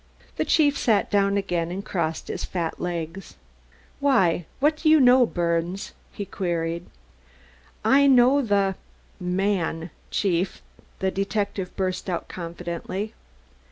The chief sat down again and crossed his fat legs. "Why, what do you know, Birnes?" he queried. "I know the man, Chief," the detective burst out confidently.